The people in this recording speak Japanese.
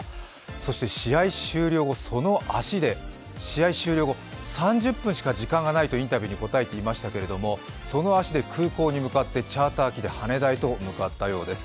そして試合終了後、その足で、試合終了後３０分しかないとインタビューに答えていましたけども、その足で空港に向かってチャーター機で羽田へと向かったようです。